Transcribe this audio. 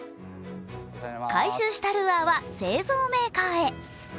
回収したルアーは製造メーカーへ。